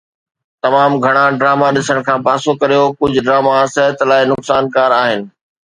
تمام گھڻا ڊراما ڏسڻ کان پاسو ڪريو ڪجھ ڊراما صحت لاءِ نقصانڪار آھن